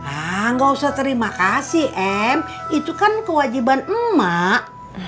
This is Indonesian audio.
ah nggak usah terima kasih m itu kan kewajiban emak